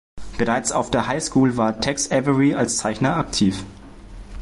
Bereits auf der Highschool war Tex Avery als Zeichner aktiv.